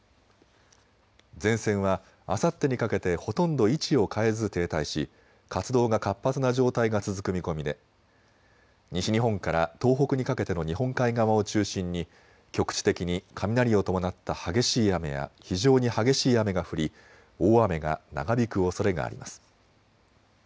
前線はあさってにかけてほとんど位置を変えず停滞し活動が活発な状態が続く見込みで西日本から東北にかけての日本海側を中心に局地的に雷を伴った激しい雨や非常に激しい雨が降り大雨が長引くおそれがあります。